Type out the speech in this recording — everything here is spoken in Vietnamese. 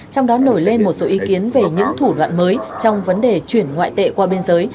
trong đó nổi lên một số ý kiến về những thủ đoạn mới trong vấn đề chuyển ngoại tệ qua biên giới